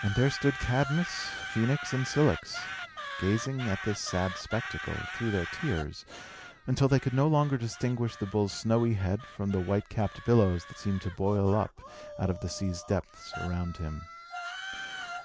And there stood Cadmus, Phœnix, and Cilix, gazing at this sad spectacle, through their tears, until they could no longer distinguish the bull's snowy head from the white capped billows that seemed to boil up out of the sea's depths around him.